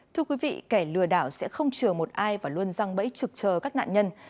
thưa quý vị kẻ lừa đảo sẽ không chừa một ai và luôn răng bẫy trực chờ các nạn nhân